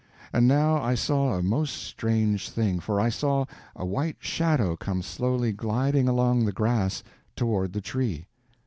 And now I saw a most strange thing, for I saw a white shadow come slowly gliding along the grass toward the Tree.